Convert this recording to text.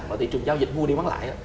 mà thị trường giao dịch mua đi bán lại